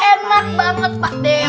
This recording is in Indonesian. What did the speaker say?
enak banget pak de